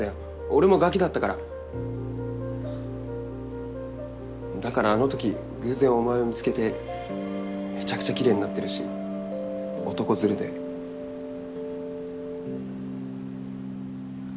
俺もガキだったからだからあのとき偶然お前を見つけてめちゃくちゃキレイになってるし男連れで焦った